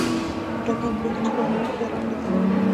بوډاګان پوهېږي چې ځوانان هوښیاران نه دي.